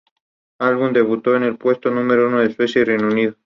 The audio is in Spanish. El álbum debutó en el puesto número uno en Suiza y Reino Unido.